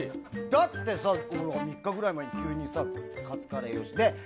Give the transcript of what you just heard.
だって、３日ぐらい前に急にカツカレー用意って。